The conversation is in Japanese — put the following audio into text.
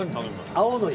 青のり。